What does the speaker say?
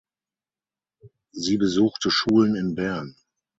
Sie besuchte Schulen in Bern.